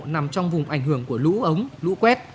nằm trong vùng ảnh hưởng của lũ ống lũ quét